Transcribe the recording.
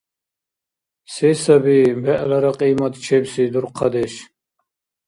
Се саби бегӀлара кьиматчебси дурхъадеш?